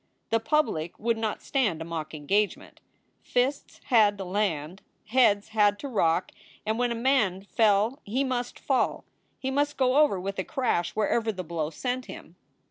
The public would not stand a mock engagement. Fists had to land. Heads had to rock, and when a man fell he must fall. He must go over with a crash wherever the blow sent him.